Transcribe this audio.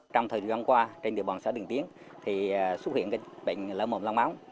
trong thời gian qua trên địa bàn xã điền tiến thì xuất hiện bệnh lở mồm long móng